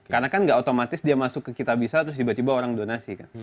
karena kan nggak otomatis dia masuk ke kitabisa terus tiba tiba orang donasi kan